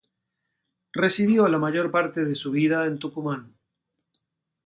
Residió la mayor parte de su vida en Tucumán.